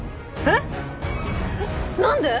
えっ何で？